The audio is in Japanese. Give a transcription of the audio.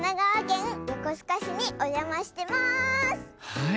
はい。